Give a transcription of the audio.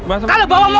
masuk lagi ya allah